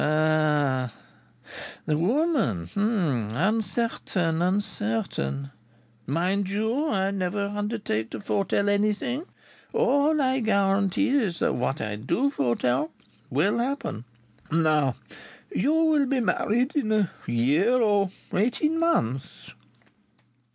"Ah! The woman. Uncertain, uncertain. Mind you I never undertake to foretell anything; all I guarantee is that what I do foretell will happen. Now, you will be married in a year or eighteen months."